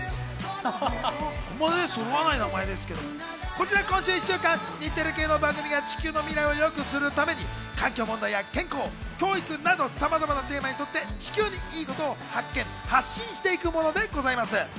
こちら、今週１週間、日テレ系の番組が地球の未来を良くするために環境問題や健康、教育などさまざまなテーマに沿って地球にいいことを発見、発信していくものでございます。